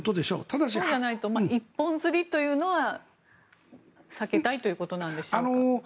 そうじゃないと一本釣りというのは避けたいということなんでしょう。